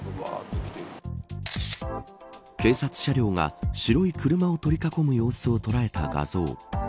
警察車両が白い車を取り囲む様子を捉えた画像。